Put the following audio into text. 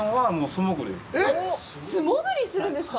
あっ、素潜りするんですか！？